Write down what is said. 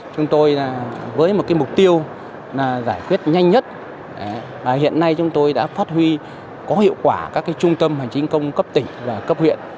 chúng tôi với một mục tiêu là giải quyết nhanh nhất hiện nay chúng tôi đã phát huy có hiệu quả các trung tâm hành chính công cấp tỉnh và cấp huyện